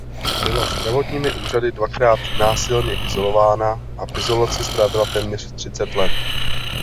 Byla zdravotními úřady dvakrát násilně izolována a v izolaci strávila téměř třicet let.